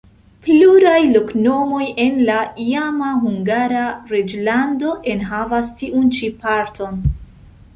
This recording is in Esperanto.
Pluraj loknomoj en la iama Hungara reĝlando enhavas tiun ĉi parton.